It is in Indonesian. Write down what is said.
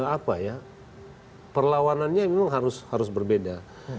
apa ya perlawanannya memang harus berbeda